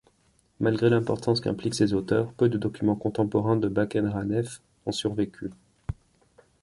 Malgré l'importance qu'impliquent ces auteurs, peu de documents contemporains de Bakenranef ont survécu.